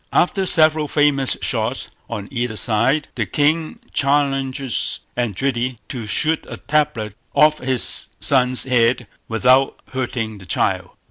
After several famous shots on either side, the king challenges Eindridi to shoot a tablet off his son's head without hurting the child.